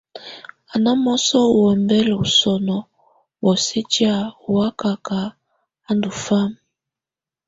Ɔ́ ná mɔ̀sɔ ú ɔmbɛ̀la sɔ̀nɔ̀ bɔ̀osɛ tɛ̀á ɔ́ wàkaka ú ndù fama.